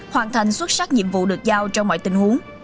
hoàn thành xuất sắc nhiệm vụ được giao trong mọi tình huống